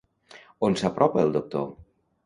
On s'apropa el doctor?